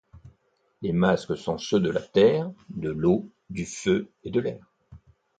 Les masques sont ceux de la Terre, de l'Eau, du Feu et de l'Air.